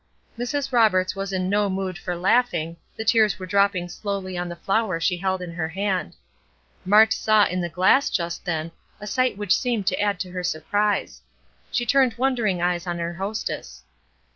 Mrs. Roberts was in no mood for laughing, the tears were dropping slowly on the flower she held in her hand. Mart saw in the glass just then a sight which seemed to add to her surprise. She turned wondering eyes on her hostess.